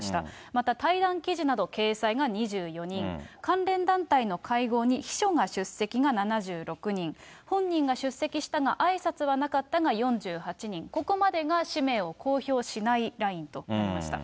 また対談記事など掲載が２４人、関連団体の会合に秘書が出席が７６人、本人が出席したがあいさつはなかったが４８人、ここまでが氏名を公表しないラインとなりました。